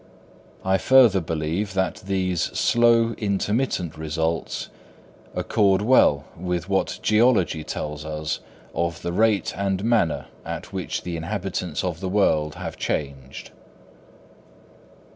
I further believe that these slow, intermittent results accord well with what geology tells us of the rate and manner at which the inhabitants of the world have changed.